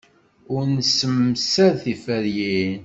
Ur nessemsad tiferyin.